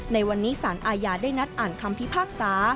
ในวันนี้สารอาญาได้นัดอ่านคำพิพากษา